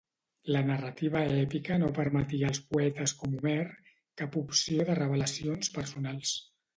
La narrativa èpica no permetia als poetes com Homer cap opció de revelacions personals.